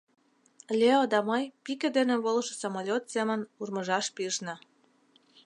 Лео да мый пике дене волышо самолёт семын урмыжаш пижна.